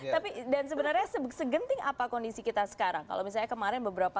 tapi dan sebenarnya segenting apa kondisi kita sekarang kalau misalnya kemarin beberapa